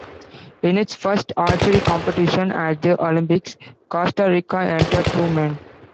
In its first archery competition at the Olympics, Costa Rica entered two men.